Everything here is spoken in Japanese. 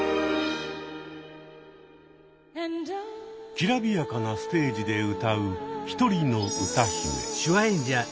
きらびやかなステージで歌う１人の歌姫。